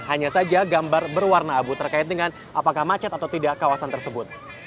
hanya saja gambar berwarna abu terkait dengan apakah macet atau tidak kawasan tersebut